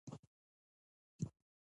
همالته يې شريف ته دوا پېچکاري کړې وه.